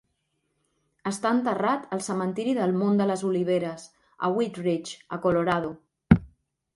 Està enterrat al cementiri del Mont de les Oliveres, a Wheat Ridge,a Colorado